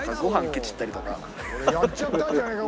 これやっちゃったんじゃねえか？